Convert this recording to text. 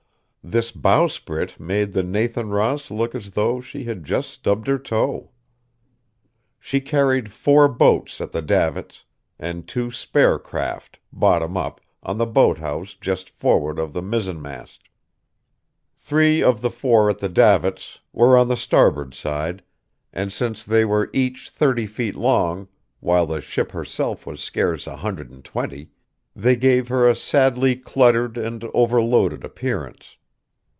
This bowsprit made the Nathan Ross look as though she had just stubbed her toe. She carried four boats at the davits; and two spare craft, bottom up, on the boathouse just forward of the mizzenmast. Three of the four at the davits were on the starboard side, and since they were each thirty feet long, while the ship herself was scarce a hundred and twenty, they gave her a sadly cluttered and overloaded appearance.